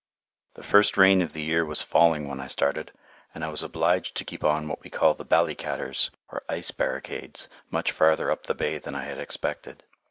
The first rain of the year was falling when I started, and I was obliged to keep on what we call the "ballicaters," or ice barricades, much farther up the bay than I had expected.